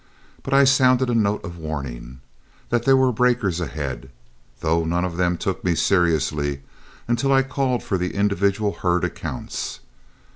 But I sounded a note of warning, that there were breakers ahead, though none of them took me seriously until I called for the individual herd accounts.